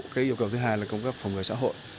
cái yêu cầu thứ hai là công tác phòng ngừa xã hội